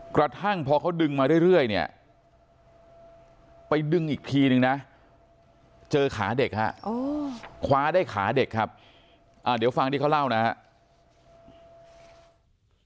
กระทั่งพอเขาดึงมาเรื่อยเนี่ยไปดึงอีกทีนึงนะเจอขาเด็กฮะคว้าได้ขาเด็กครับเดี๋ยวฟังที่เขาเล่านะครับ